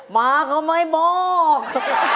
มากับมันบอก